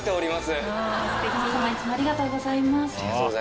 ありがとうございます。